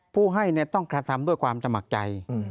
ผู้ให้ต้องกระทำด้วยความสมัครใจ